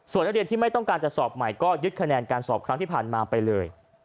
ส่วนนักเรียนที่ไม่ต้องการจะสอบใหม่ก็ยึดคะแนนการสอบครั้งที่ผ่านมาไปเลย